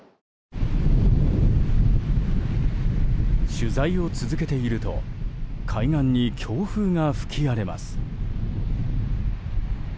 取材を続けていると海岸に強風が吹き荒れます。